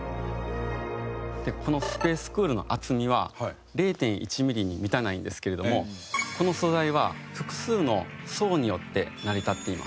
このＳＰＡＣＥＣＯＯＬの厚みは０．１ミリに満たないんですけれどもこの素材は複数の層によって成り立っています。